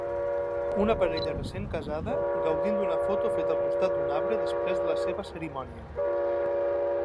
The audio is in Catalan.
una parella recent casada gaudint d'una foto feta al costat d'un arbre després de la seva cerimònia.